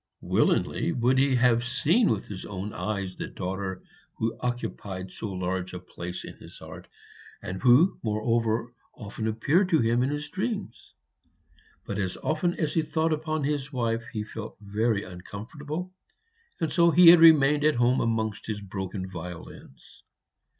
Willingly would he have seen with his own eyes the daughter who occupied so large a place in his heart, and who moreover often appeared to him in his dreams; but as often as he thought upon his wife he felt very uncomfortable, and so he remained at home amongst his broken violins.